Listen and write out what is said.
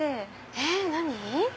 え何⁉